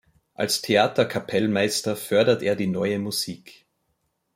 Als Theaterkapellmeister fördert er die neue Musik.